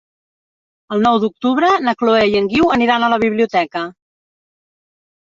El nou d'octubre na Chloé i en Guiu aniran a la biblioteca.